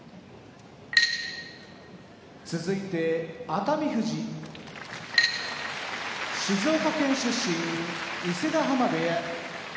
熱海富士静岡県出身伊勢ヶ浜部屋